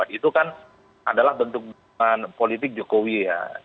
itu kan adalah bentuk dukungan politik jokowi ya